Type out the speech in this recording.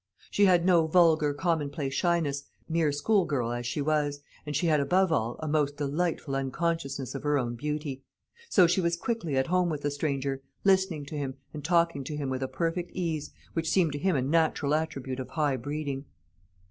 She had no vulgar commonplace shyness, mere school girl as she was, and she had, above all, a most delightful unconsciousness of her own beauty; so she was quickly at home with the stranger, listening to him, and talking to him with a perfect ease, which seemed to him a natural attribute of high breeding.